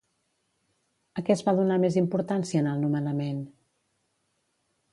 A què es va donar més importància en el nomenament?